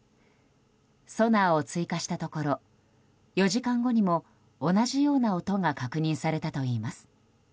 ソナーを追加したところ４時間後にも同じような音が確認されたといいます。